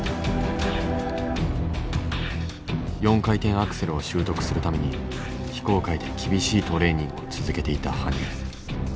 ４回転アクセルを習得するために非公開で厳しいトレーニングを続けていた羽生。